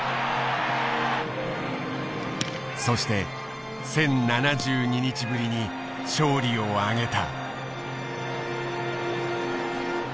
そして１，０７２日ぶりに勝利を挙げた。